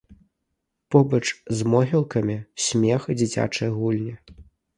Побач з могілкамі смех і дзіцячыя гульні.